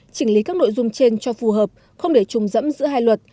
chỉnh lý các nội dung trên cho phù hợp không để trùng dẫm giữa hai luật